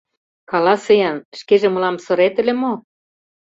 Каласе-ян, шкеже мылам сырет ыле мо?